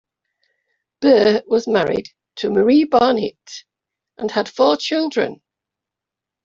Burr was married to Marie Barnitt and had four children.